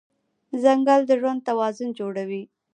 ځنګل د ژوند توازن جوړوي.